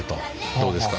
どうですか？